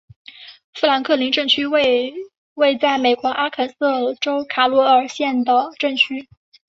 富兰克林镇区为位在美国阿肯色州卡洛尔县的镇区。